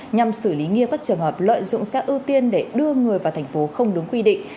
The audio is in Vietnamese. nhằm xử lý nghiêm các trường hợp lợi dụng xe ưu tiên để đưa người vào thành phố không đúng quy định